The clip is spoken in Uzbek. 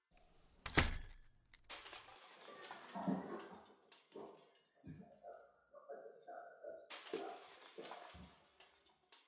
«Adolat» partiyasi Toshkent shahar hokimiga chora ko‘rilishini talab qildi